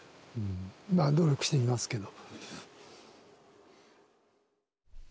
まあ努力してみますけど。